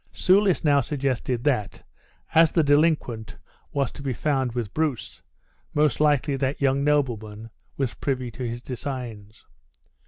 Soulis now suggested that, as the delinquent was to be found with Bruce, most likely that young nobleman was privy to his designs.